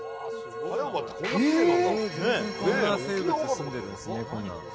こんな生物、すんでいるんですね。